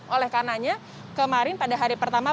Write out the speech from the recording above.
oleh karenanya kemarin pada hari pertama